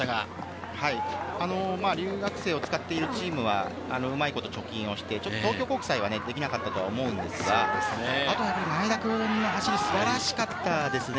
留学生を使っているチームはうまいこと貯金をして東京国際はできなかったと思うんですが、あとは前田くんの走りが素晴らしかったですね。